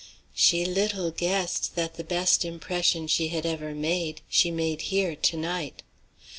She little guessed that the best impression she had ever made she made here to night.